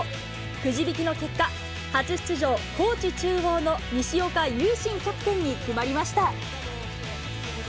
くじ引きの結果、初出場、高知中央の西岡悠慎キャプテンに決まりました。